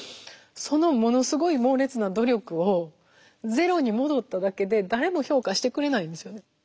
そのものすごい猛烈な努力をゼロに戻っただけで誰も評価してくれないんですよね。